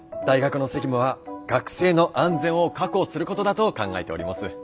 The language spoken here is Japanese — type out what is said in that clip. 「大学の責務は学生の安全を確保することだと考えております」。